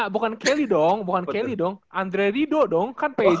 bukan kelly dong bukan kelly dong andre rido dong kan pes